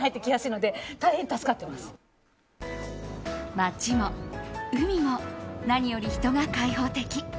街も海も、何より人が開放的。